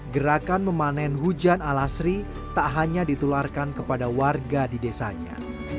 gerakan memanen hujan ala sri tak hanya ditularkan kepada warga di desanya